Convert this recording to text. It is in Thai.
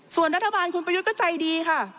ส่วนรัฐบาลคุณประยุทธ์ก็ใจดีค่ะ